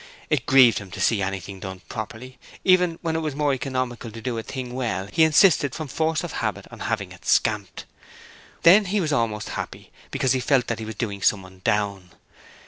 It grieved him to see anything done properly. Even when it was more economical to do a thing well, he insisted from force of habit on having it scamped. Then he was almost happy, because he felt that he was doing someone down.